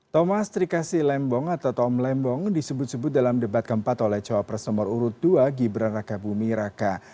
thomas trikasi lembong atau tom lembong disebut sebut dalam debat keempat oleh cawapres nomor urut dua gibran raka bumi raka